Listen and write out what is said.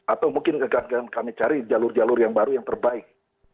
atau mungkin kami cari jalur jalur yang baru yang terbaik